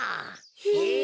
へえ。